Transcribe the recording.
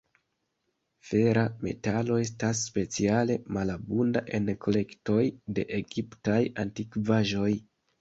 Fera metalo estas speciale malabunda en kolektoj de egiptaj antikvaĵoj.